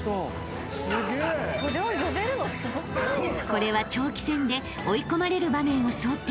［これは長期戦で追い込まれる場面を想定］